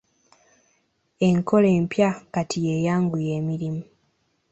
Enkola empya kati y'eyanguya emirimu.